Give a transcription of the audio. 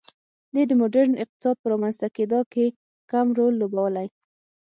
دې د ماډرن اقتصاد په رامنځته کېدا کې کم رول لوبولی.